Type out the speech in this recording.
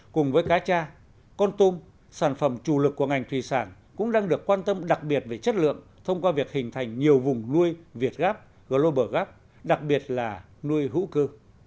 cùng với cá cha con tôm sản phẩm chủ lực của ngành thủy sản cũng đang được quan tâm đặc biệt về chất lượng thông qua việc hình thành nhiều vùng nuôi việt gáp global gap đặc biệt là nuôi hữu cơ